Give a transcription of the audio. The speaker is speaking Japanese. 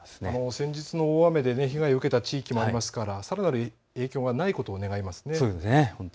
先日の大雨で被害を受けた地域もありますからさらなる影響がないことを願いますね。